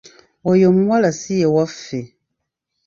Oyo omuwala si ye waffe.